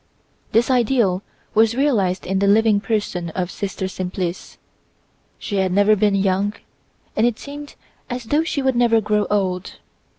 This ideal was realized in the living person of Sister Simplice: she had never been young, and it seemed as though she would never grow old.